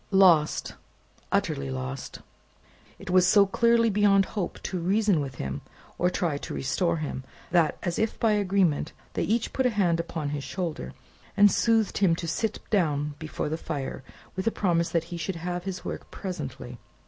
Lost, utterly lost! It was so clearly beyond hope to reason with him, or try to restore him, that as if by agreement they each put a hand upon his shoulder, and soothed him to sit down before the fire, with a promise that he should have his work presently.